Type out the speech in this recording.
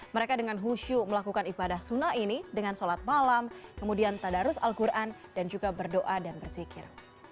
mereka dengan husyuk melakukan ibadah sunnah ini dengan sholat malam kemudian tadarus al quran dan juga berdoa dan berzikir